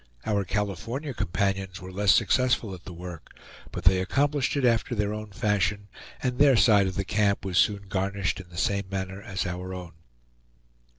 Our California companions were less successful at the work; but they accomplished it after their own fashion, and their side of the camp was soon garnished in the same manner as our own.